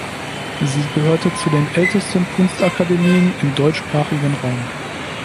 Sie gehörte zu den ältesten Kunstakademien im deutschsprachigen Raum.